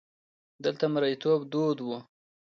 دلته مریتوب دود وو.